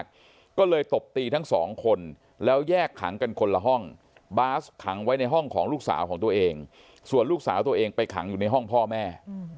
ก็เลยตบตีทั้งสองคนแล้วแยกขังกันคนละห้องบาสขังไว้ในห้องของลูกสาวของตัวเองส่วนลูกสาวตัวเองไปขังอยู่ในห้องพ่อแม่